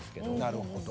なるほど。